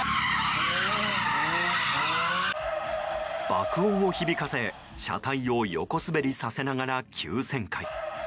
爆音を響かせ車体を横滑りさせながら急旋回。